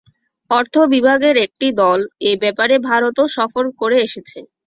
অর্থ বিভাগের একটি দল এ ব্যাপারে ভারতও সফর করে এসেছে।